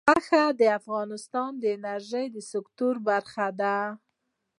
غوښې د افغانستان د انرژۍ سکتور برخه ده.